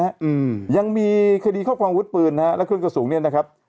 อืมยังมีคดีครอบครองวุฒิปืนนะฮะและเครื่องกระสุนเนี้ยนะครับ